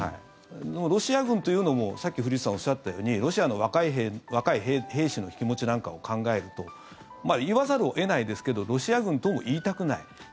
ロシア軍というのもさっき古市さんがおっしゃったようにロシアの若い兵士の気持ちなんかを考えると言わざるを得ないですけどロシア軍とも言いたくない。